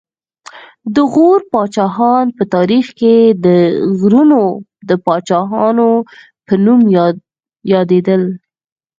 د غور پاچاهان په تاریخ کې د غرونو د پاچاهانو په نوم یادېدل